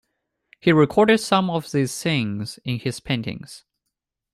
He recorded some of these scenes in his paintings.